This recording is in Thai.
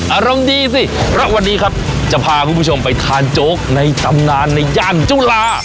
อารมณ์ดีสิเพราะวันนี้ครับจะพาคุณผู้ชมไปทานโจ๊กในตำนานในย่านจุฬา